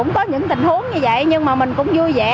cũng có những tình huống như vậy nhưng mà mình cũng vui vẻ